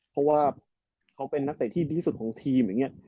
เพราะว่าเขาเป็นนักเตะที่ดีที่สุดของทีมอย่างนี้